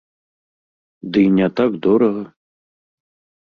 Ды і не так дорага.